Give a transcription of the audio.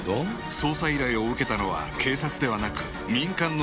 捜査依頼を受けたのは警察ではなく民間の探偵団